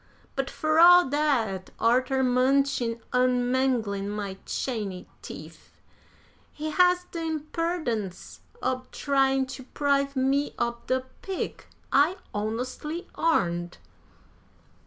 But, fur all dat, arter munchin' an' manglin' my chany teef, he has de imperdence ob tryin' to 'prive me ob de pig I honestly 'arned."